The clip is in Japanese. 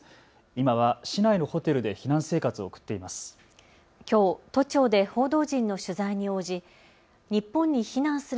今は市内のホテルで避難生活を送っています。